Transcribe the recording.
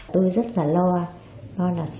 tôi rất là lo